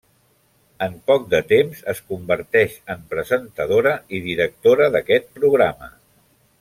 En poc de temps es converteix en presentadora i directora d'aquest programa.